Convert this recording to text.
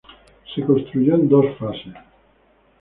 Se construyó en dos fases.